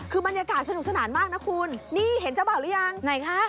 คือบรรยากาศสนุกสนานมากนะคุณนี่เห็นเจ้าบ่าวหรือยังไหนคะ